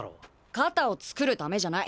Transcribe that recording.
肩をつくるためじゃない。